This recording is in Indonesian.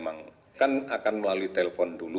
mana kala dia memang akan melalui telpon dulu